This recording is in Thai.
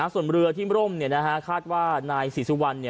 ส่วนเรือที่ร่มคาดว่านายศรีสุวรรณ